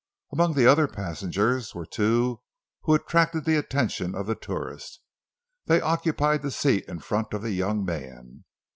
Among the other passengers were two who attracted the attention of the tourist. They occupied the seat in front of the young man.